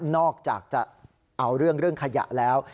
นอกจากจะเอาเรื่องเรื่องขยะแล้ว